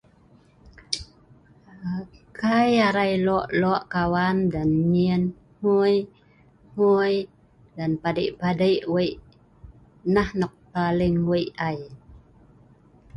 Kai arai lok-lok kawan(toyang) dan(ngan) nyen hgui-hgui dan(ngan) padei'-padei' wei, nah nok alin wei ai